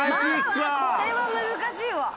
これは難しいわ。